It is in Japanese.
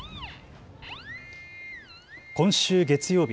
今週、月曜日、